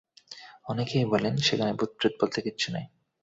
অনেকেই বলেন সেখানে ভুতপ্রেত বলতে কিছু নেই।